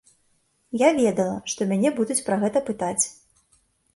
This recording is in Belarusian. Я ведала, што мяне будуць пра гэта пытаць.